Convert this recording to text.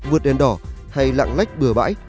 vượt đèn đỏ hay lạng lách bừa bãi